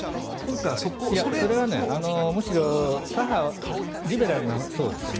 それはむしろ左派、リベラルな層ですよね。